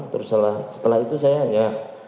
terus setelah itu saya hanya